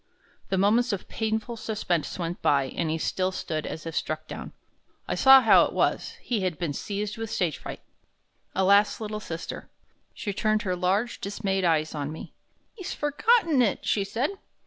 The moments of painful suspense went by, and he still stood as if struck down. I saw how it was; he had been seized with stage fright. Alas, little sister! She turned her large, dismayed eves on me. "He's forgotten it," she said.